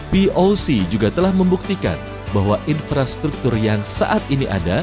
poc juga telah membuktikan bahwa infrastruktur yang saat ini ada